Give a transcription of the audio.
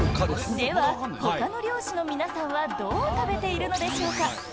では、ほかの漁師の皆さんはどう食べているのでしょうか。